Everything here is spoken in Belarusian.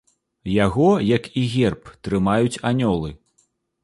Яго, як і герб, трымаюць анёлы.